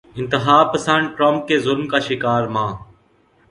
انتہا پسند ٹرمپ کے ظلم کی شکار ماں